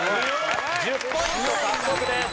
１０ポイント獲得です。